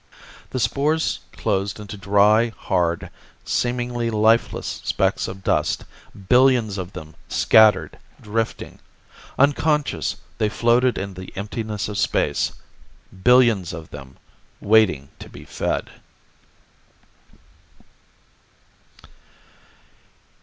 The spores closed into dry, hard, seemingly lifeless specks of dust, billions of them, scattered, drifting. Unconscious, they floated in the emptiness of space. Billions of them, waiting to be fed.